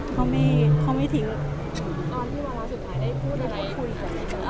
เขาไม่เขาไม่ทิ้งตอนที่เวลาสุดท้ายได้พูดอะไรกับคุณกัน